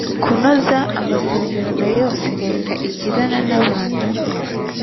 kunoza amasezerano yose Leta igirana n’abantu